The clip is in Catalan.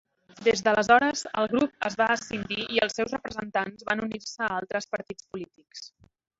Des d'aleshores, el grup es va escindir i els seus representants van unir-se a altres partits polítics.